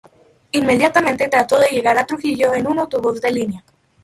Inmediatamente trató de llegar a Trujillo en un autobús de línea.